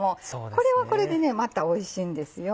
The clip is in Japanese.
これはこれでまたおいしいんですよ。